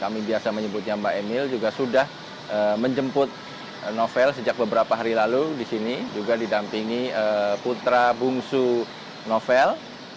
kami biasa menyebutnya mbak emil juga sudah menjemput novel sejak beberapa hari lalu di sini juga didampingi putra bungsu novel